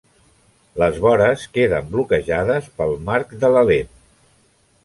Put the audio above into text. Les vores queden bloquejades pel marc de la lent.